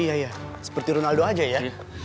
iya ya seperti ronaldo aja ya